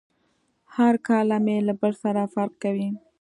هر کالم یې له بل سره فرق کوي.